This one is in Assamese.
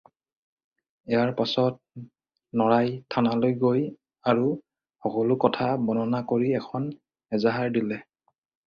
ইয়াৰ পাচত নৰাই থানালৈ গ'ল আৰু সকলো কথা বৰ্ণনা কৰি এখন এজাহাৰ দিলে।